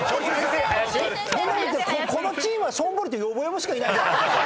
⁉そうなるとこのチームはしょんぼりとよぼよぼしかいないじゃないですか。